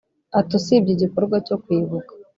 Ati “Usibye igikorwa cyo kwibuka